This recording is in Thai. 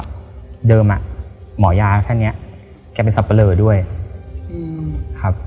เดิมอ่ะหมอยาท่านเนี้ยแกเป็นสับปะเลอด้วยครับ